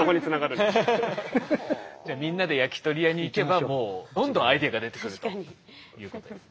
じゃあみんなで焼き鳥屋に行けばもうどんどんアイデアが出てくるということですね。